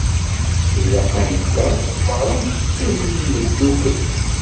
Ilaq-anteɣ merra ad neqqim neddukel.